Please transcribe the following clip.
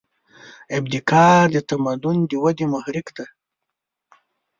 ابتکار د تمدن د ودې محرک دی.